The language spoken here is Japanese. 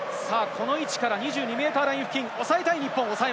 この位置から２２ｍライン付近を押さえたい日本。